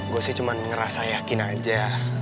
gue sih cuma ngerasa yakin aja